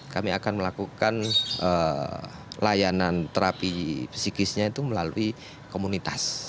kami akan melakukan layanan terapi psikisnya itu melalui komunitas